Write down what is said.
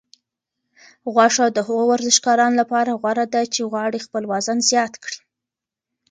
غوښه د هغو ورزشکارانو لپاره غوره ده چې غواړي خپل وزن زیات کړي.